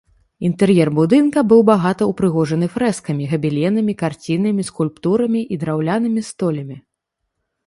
Інтэр'ер будынка быў багата ўпрыгожаны фрэскамі, габеленамі, карцінамі, скульптурамі і драўлянымі столямі.